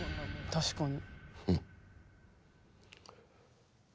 確かに。